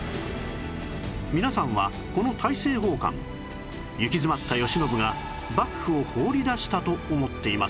皆さんはこの大政奉還行き詰まった慶喜が幕府を放り出したと思っていませんか？